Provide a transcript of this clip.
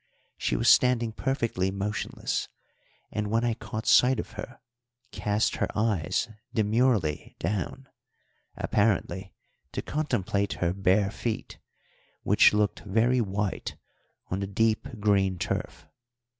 She was standing perfectly motionless, and, when I caught sight of her, cast her eyes demurely down, apparently to contemplate her bare feet, which looked very white on the deep green turf.